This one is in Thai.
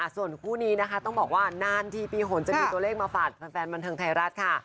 ส่วนคู่นี้นะคะต้องบอกว่านานทีปีหนจะมีตัวเลขมาฝากแฟนบันเทิงไทยรัฐค่ะ